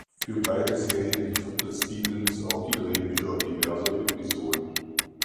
Für beide Serien lieferte Stevens auch die Drehbücher diverser Episoden.